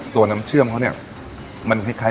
ตัวน้ำเชื่อมมันคล้าย